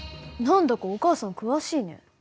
何だかお母さん詳しいね。